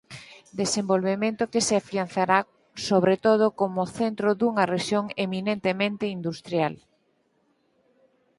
Desenvolvemento que se afianzará sobre todo coma centro dunha rexión eminentemente industrial.